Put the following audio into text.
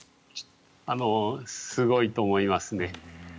すごいと思いますね。